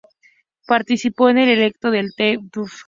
Participó en el elenco de The Duff.